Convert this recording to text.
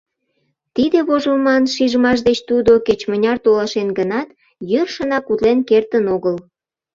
Тиде вожылман шижмаш деч тудо, кеч-мыняр толашен гынат, йӧршынак утлен кертын огыл.